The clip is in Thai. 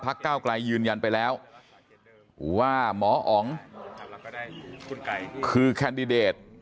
ก้าวไกลยืนยันไปแล้วว่าหมออ๋องคือแคนดิเดต